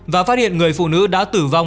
và phát hiện người phụ nữ đã tử vong